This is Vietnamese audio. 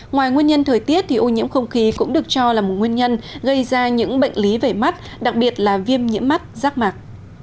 ngoài nguyên nhân thời tiết thì ô nhiễm không khí cũng được cho là một nguyên nhân gây ra những bệnh lý về mắt đặc biệt là viêm nhiễm mắt rác mạc